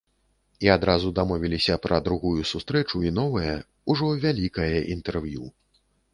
І адразу дамовіліся пра другую сустрэчу і новае, ужо вялікае інтэрв'ю.